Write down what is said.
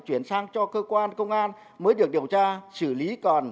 chuyển sang cho cơ quan công an mới được điều tra xử lý còn